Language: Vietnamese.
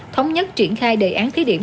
thống nhất triển khai đề án thí điểm